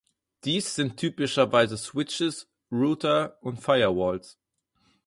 Dies sind typischerweise Switches, Router und Firewalls.